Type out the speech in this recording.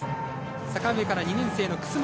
阪上から２年生の楠本。